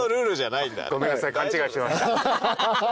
ごめんなさい勘違いしてました。